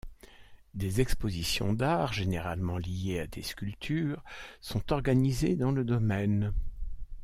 Des expositions d'art généralement liées à des sculptures sont organisées dans le domaine.